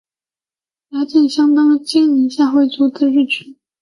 辖境相当今宁夏回族自治区青铜峡市河西地区及永宁县西南部黄河之西。